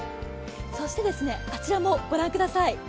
あちらもご覧ください。